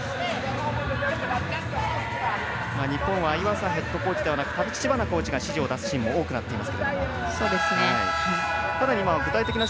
日本は岩佐ヘッドコーチではなく橘コーチが指示を出すシーンも多くなっています。